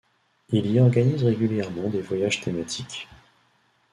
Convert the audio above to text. Il y organise régulièrement des voyages thématiques.